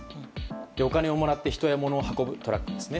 お金をもらって人や物を運ぶトラックですね。